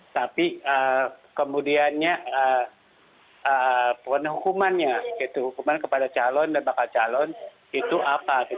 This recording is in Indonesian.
tapi kemudiannya penuh hukumannya hukuman kepada calon dan bakal calon itu apa